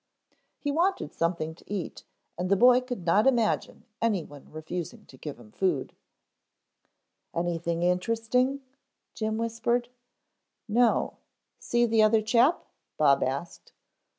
He wanted something to eat and the boy could not imagine anyone refusing to give him food. "Anything interesting?" Jim whispered. "No. See the other chap?" Bob asked.